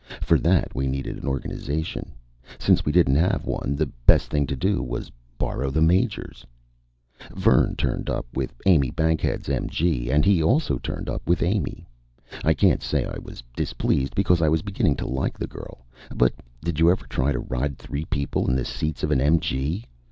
For that we needed an organization. Since we didn't have one, the best thing to do was borrow the Major's. Vern turned up with Amy Bankhead's MG, and he also turned up with Amy. I can't say I was displeased, because I was beginning to like the girl; but did you ever try to ride three people in the seats of an MG?